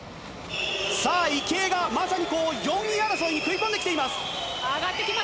池江がまさに４位争いに食い込んできています。